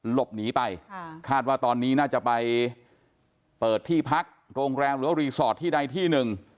หลบหนีไปคาดว่าตอนนี้น่าจะไปเปิดที่พักโรงแรมหรือว่ารีสอร์ทที่ใดที่หนึ่ง